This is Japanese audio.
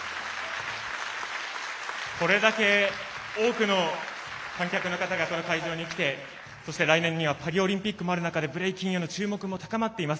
これだけ多くの観客の方々がこの会場に来て、そして来年にはパリオリンピックもある中でブレイキンへの注目も高まっています。